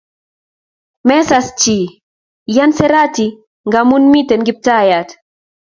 Mesas chi yan sereti ngamun miten kiptayat